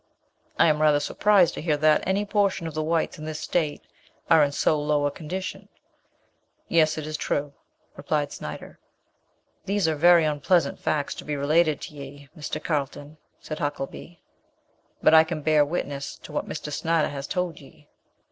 '" "I am rather surprised to hear that any portion of the whites in this state are in so low a condition." "Yet it is true," returned Snyder. "These are very onpleasant facts to be related to ye, Mr. Carlton," said Huckelby; "but I can bear witness to what Mr. Snyder has told ye."